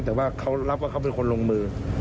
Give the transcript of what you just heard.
แต่ว่าเขารับว่าเขาเป็นคนลงมือ